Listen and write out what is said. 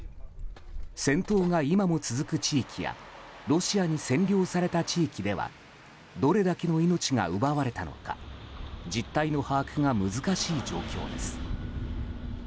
戦闘が今も続く地域やロシアに占領された地域ではどれだけの命が奪われたのか実態の把握が難しい状況です。